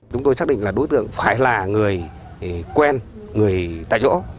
chúng tôi xác định là đối tượng phải là người quen người tại chỗ